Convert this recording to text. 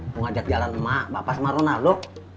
mau ngajak jalan emak bapak sama ronaldo